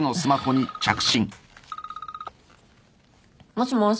もしもし。